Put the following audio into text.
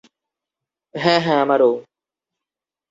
হ্যাঁ, হ্যাঁ, আমারও।